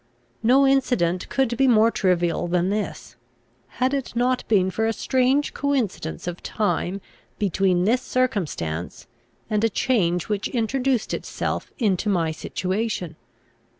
No incident could be more trivial than this, had it not been for a strange coincidence of time between this circumstance, and a change which introduced itself into my situation.